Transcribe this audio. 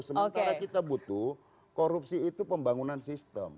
sementara kita butuh korupsi itu pembangunan sistem